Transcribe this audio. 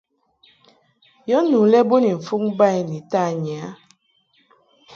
Yɔ nu lɛ bo ni mfuŋ ba i ni tanyi a.